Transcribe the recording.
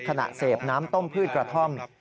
ขณะเสพน้ำต้มพืชกระท่อม